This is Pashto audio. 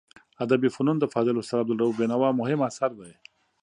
ادبي فنون د فاضل استاد عبدالروف بینوا مهم اثر دی.